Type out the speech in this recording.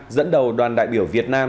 dẫn đầu đoàn đại biểu việt nam